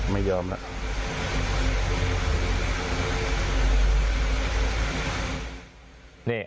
ไม่ยอมน่ะ